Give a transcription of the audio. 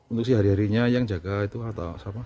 untuk si hari harinya yang jaga itu atau siapa